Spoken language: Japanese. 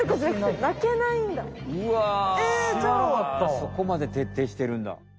そこまでてっていしてるんだ。